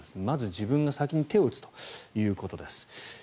まず自分が先に手を打つということです。